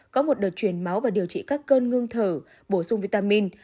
có một đợt chuyển máu và điều trị các cơn ngưng thở bổ sung vitamin